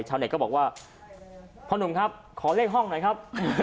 เน็ตก็บอกว่าพ่อหนุ่มครับขอเลขห้องหน่อยครับ